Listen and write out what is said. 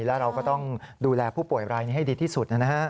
แล้วเราก็ต้องดูแลผู้ป่วยอะไรให้ดีที่สุดนะครับ